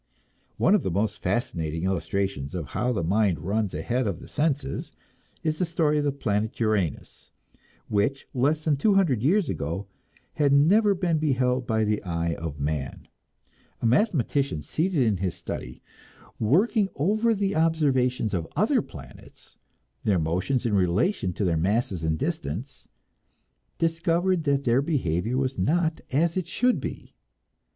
One of the most fascinating illustrations of how the mind runs ahead of the senses is the story of the planet Uranus, which, less than two hundred years ago, had never been beheld by the eye of man. A mathematician seated in his study, working over the observations of other planets, their motions in relation to their mass and distance, discovered that their behavior was not as it should be.